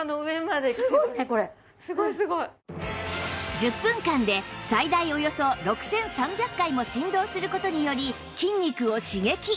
１０分間で最大およそ６３００回も振動する事により筋肉を刺激